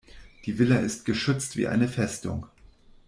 Die Villa ist geschützt wie eine Festung.